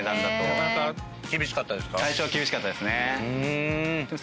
なかなか厳しかったですか？